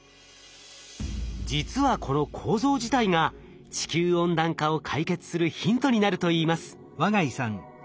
実はこの構造自体が地球温暖化を解決するヒントになるといいます。